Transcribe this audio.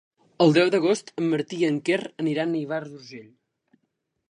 El deu d'agost en Martí i en Quer aniran a Ivars d'Urgell.